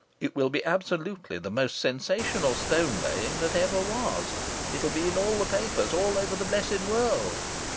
It will be absolutely the most sensational stone laying that ever was. It'll be in all the papers all over the blessed world.